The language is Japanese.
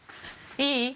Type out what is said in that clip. いい？